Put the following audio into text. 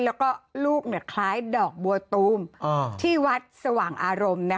แล้วก็ลูกคล้ายดอกบัวตูมที่วัดสว่างอารมณ์